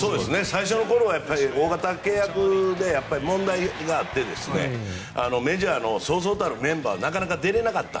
最初のころは大型契約で問題があってメジャーのそうそうたるメンバーがなかなか出れなかった。